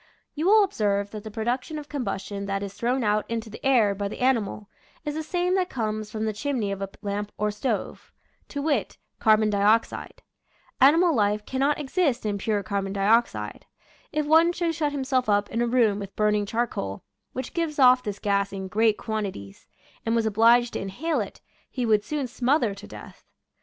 You will observe that the prod uct of combustion that is thrown out into the air by the animal is the same that comes from the chimney of a lamp or stove, to wit, car / i . Original from UNIVERSITY OF WISCONSIN 160 Hature'0 .flBfracIea. bon dioxide. Animal life cannot exist in pure carbon dioxide. If one should shut himself up in a room with burning charcoal, which gives off this gas in great quantities, and was obliged to inhale it, he would soon smother to death.